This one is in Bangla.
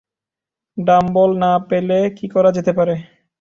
ডাম্বল না পেলে কি করা যেতে পারে?